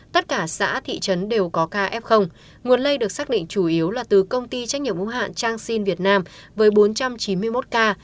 tất cả xã thị trấn đều có ca f nguồn lây được xác định chủ yếu là từ công ty trách nhiệm ưu hạn changxin việt nam với bốn trăm chín mươi một ca